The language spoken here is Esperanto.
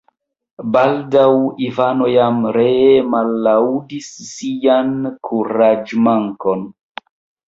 Baldaŭ Ivano jam ree mallaŭdis sian kuraĝmankon.